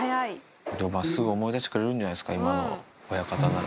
すぐ思い出してくれるんじゃないですか、今の親方なら。